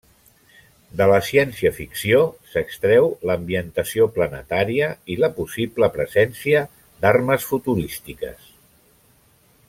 De la ciència-ficció s'extreu l'ambientació planetària i la possible presència d'armes futurístiques.